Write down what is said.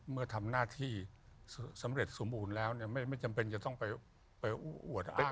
เมื่อทำหน้าที่สำเร็จสมบูรณ์แล้วเนี่ยไม่จำเป็นจะต้องไปอู้อวดอะไร